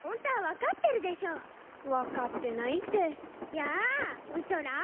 やうそら！